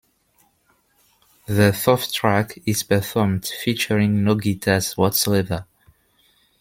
The fourth track is performed featuring no guitars whatsoever.